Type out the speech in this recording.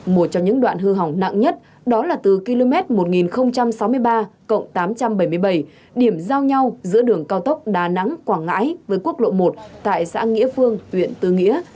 một trong những đoạn hư hỏng nặng nhất đó là từ km một nghìn sáu mươi ba tám trăm bảy mươi bảy điểm giao nhau giữa đường cao tốc đà nẵng quảng ngãi với quốc lộ một tại xã nghĩa phương huyện tư nghĩa